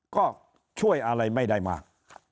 ก็ช่วยอะไรไม่ได้มาก